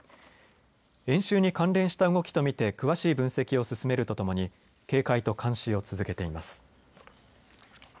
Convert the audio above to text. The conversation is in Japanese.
演習に関連した動きと見て詳しい分析を進めるとともに警戒と監視を続けています。